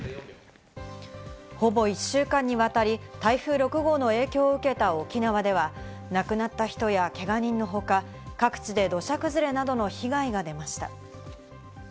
ほぼ１週間にわたり、台風６号の影響を受けた沖縄では、亡くなった人やけが人の他、各地で土砂崩れなどの被害が出ました。